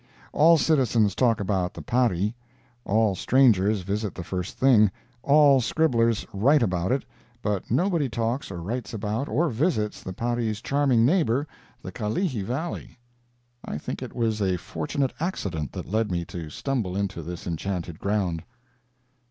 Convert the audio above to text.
All citizens talk about the Pari; all strangers visit it the first thing; all scribblers write about it—but nobody talks or writes about or visits the Pari's charming neighbor, the Kalihi Valley. I think it was a fortunate accident that led me to stumble into this enchanted ground.